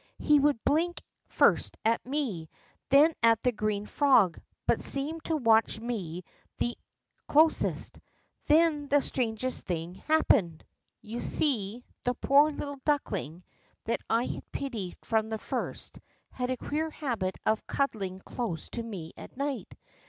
He would blink first at me, then at the green frog, hut seemed to watch me the closest. Then the strangest thing happened !" You see, the poor little duckling, that I had pitied from the first, had a queer habit of cuddling close to me at night.